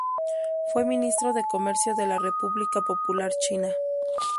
Fue ministro de Comercio de la República Popular China.